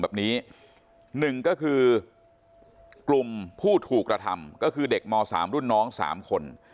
แบบนี้หนึ่งก็คือกลุ่มผู้ถูกกระทำก็คือเด็กม๓รุ่นน้อง๓คน